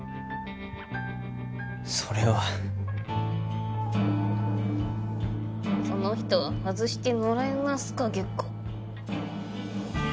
それは「その人は外してもらえますかゲコ」